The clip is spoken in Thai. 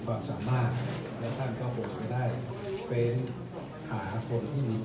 ใครจะมารับหน้าที่ออกนั้นเนี่ย